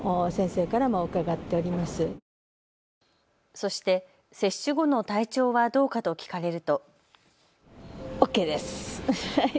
そして接種後の体調はどうかと聞かれると。